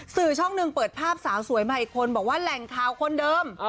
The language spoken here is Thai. สื่อช่องหนึ่งเปิดภาพสาวสวยมาอีกคนบอกว่าแหล่งข่าวคนเดิม